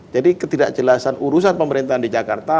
jadi ketidakjelasan urusan pemerintahan di jakarta